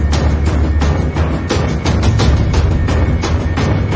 แล้วก็พอเล่ากับเขาก็คอยจับอย่างนี้ครับ